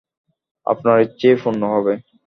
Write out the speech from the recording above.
আপনার ইচ্ছাই পূর্ণ হবে!